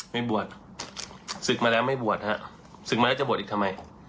ไม่บวชศึกมาแล้วไม่บวชฮะศึกมาแล้วจะบวชอีกทำไม